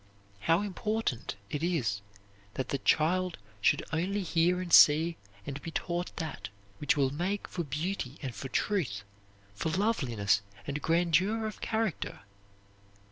How important it is that the child should only hear and see and be taught that which will make for beauty and for truth, for loveliness and grandeur of character!